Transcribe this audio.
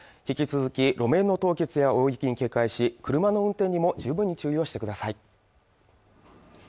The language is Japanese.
引き続き路面の凍結や大雪に警戒し車の運転にも十分に注意をしてください